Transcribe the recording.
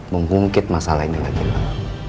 mengungkit masalah ini lagi pak